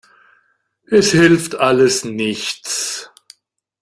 Es hilft alles nichts.